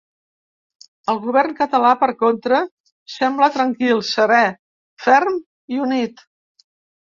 El govern català, per contra, sembla tranquil, serè, ferm i unit.